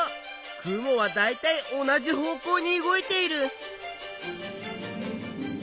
雲はだいたい同じ方向に動いている。